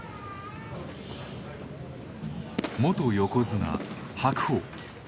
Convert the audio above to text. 元横綱白鵬。